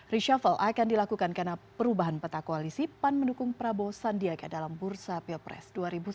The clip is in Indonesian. reshuffle akan dilakukan karena perubahan peta koalisi pan mendukung prabowo sandiaga dalam bursa pilpres dua ribu sembilan belas